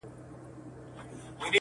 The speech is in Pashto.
په پردي پرتاگه کونه نه پټېږي.